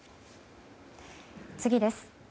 次です。